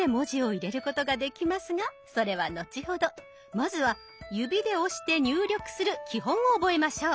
まずは指で押して入力する基本を覚えましょう。